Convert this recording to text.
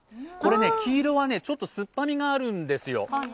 黄色はちょっと酸っぱみがあるんですよ。